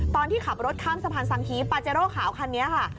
ตอนที่ขับรถข้ามสะพานสังฮีปาเจโร่ขาวคันนี้ค่ะ